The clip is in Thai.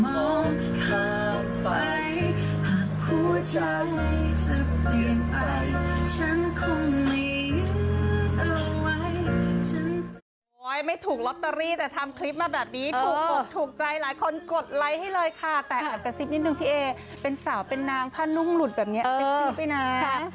ไม่ถูกลอตเตอรี่แต่ทำคลิปมาแบบนี้ถูกอกถูกใจหลายคนกดไลค์ให้เลยค่ะแต่แอบกระซิบนิดนึงพี่เอเป็นสาวเป็นนางผ้านุ่งหลุดแบบนี้เต็มไปนะ